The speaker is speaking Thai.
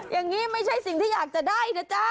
อย่างนี้ไม่ใช่สิ่งที่อยากจะได้นะจ๊ะ